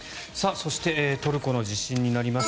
そしてトルコの地震になります。